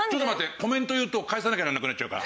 コメント言うと返さなきゃならなくなっちゃうから。